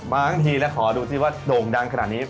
บางทีแล้วขอดูซิว่าโด่งดังขนาดนี้